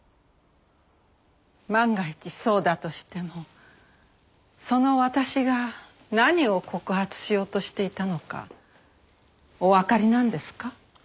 万が一そうだとしてもその「私」が何を告発しようとしていたのかおわかりなんですか？